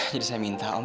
jadi saya minta om